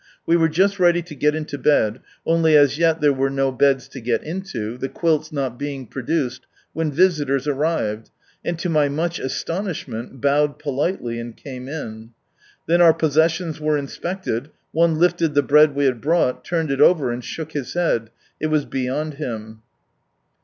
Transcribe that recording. We were just ready to get into bed, only as yet there were no beds to get into, the quilts not being produced, when visitors arrived, and to my much astonishment, bowed politely and came in. Then our possessions were inspected, one lifted the bread we had brought, turned it over, and shook his head, it was beyond him.